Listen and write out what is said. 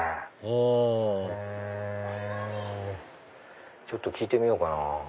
おちょっと聞いてみようかな。